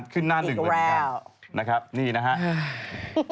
ขึ้นหน้าหนึ่งเหมือนกันนะครับ